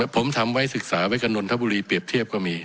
ผมทำวัยศึกษายกะนนธบุรีเปรียบเทียบก็มี